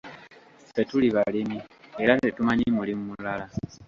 Ffe tuli balimi era tetumanyi mulimu mulala.